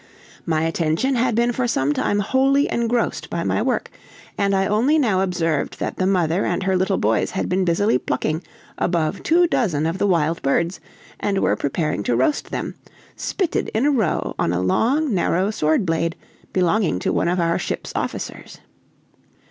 My attention had been for some time wholly engrossed by my work, and I only now observed that the mother and her little boys had been busily plucking above two dozen of the wild birds, and were preparing to roast them, spitted in a row on a long, narrow sword blade, belonging to one of our ship's officers.